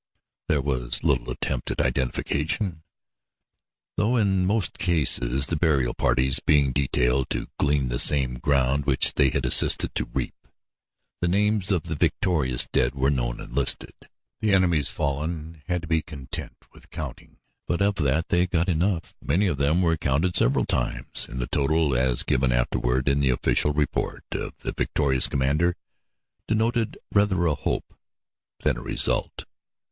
There was little attempt at identification, though in most cases, the burial parties being detailed to glean the same ground which they had assisted to reap, the names of the victorious dead were known and listed. The enemy's fallen had to be content with counting. But of that they got enough: many of them were counted several times, and the total, as given afterward in the official report of the victorious commander, denoted rather a hope than a result.